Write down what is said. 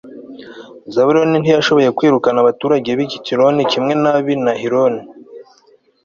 zabuloni ntiyashoboye kwirukana abaturage b'i kitironi kimwe n'ab'i nahaloli